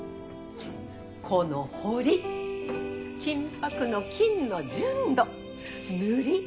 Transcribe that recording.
この彫り金箔の金の純度塗り。